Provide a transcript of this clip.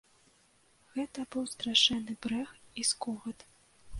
Гэта быў страшэнны брэх і скогат.